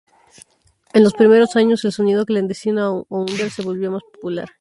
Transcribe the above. En los primeros años, el sonido clandestino o under se volvió más popular.